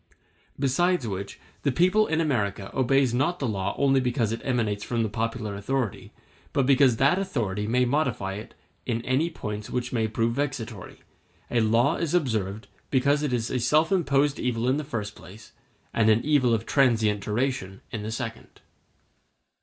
Besides which, the people in America obeys the law not only because it emanates from the popular authority, but because that authority may modify it in any points which may prove vexatory; a law is observed because it is a self imposed evil in the first place, and an evil of transient duration in the second.